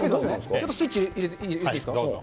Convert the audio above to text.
ちょっとスイッチ入れていいどうぞ。